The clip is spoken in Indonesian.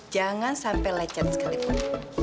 jangan sampai lecet sekalipun